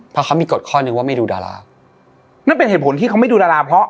เพราะเขามีกฎข้อนึงว่าไม่ดูดารานั่นเป็นเหตุผลที่เขาไม่ดูดาราเพราะ